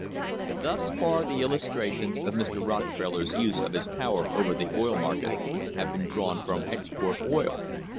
Thus far the illustrations of Mr. Rockefeller's use of his power over the oil market have been drawn from export oil.